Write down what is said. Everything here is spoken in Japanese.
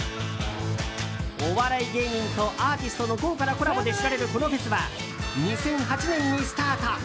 お笑い芸人とアーティストの豪華なコラボで知られるこのフェスは２００８年にスタート。